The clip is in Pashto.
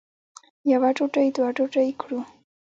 یوه ډوډۍ دوه ډوډۍ کړو.